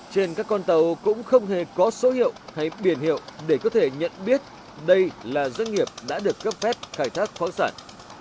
trên các con tàu cũng không hề có số hiệu hay biển hiệu để có thể nhận biết đây là doanh nghiệp đã được cấp phép khai thác khoáng sản